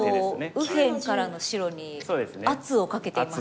ちょっと右辺からの白に圧をかけていますね。